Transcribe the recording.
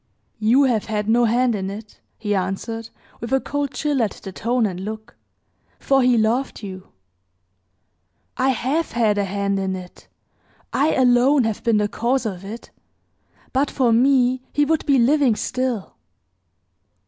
"You have had no hand in it," he answered, with a cold chill at the tone and look, "for he loved you!" "I have had a hand in it I alone have been the cause of it. But for me he would be living still!"